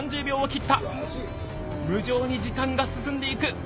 無情に時間が進んでいく。